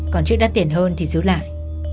còn chiếc đắt tiền hơn thì giữ lại